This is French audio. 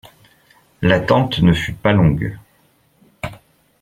L’attente ne fut pas longue.